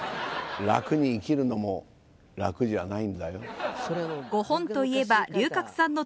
楽に生きるのも楽じゃないんだよ。